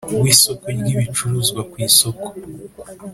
w Isoko ry ibicuruzwa ku isoko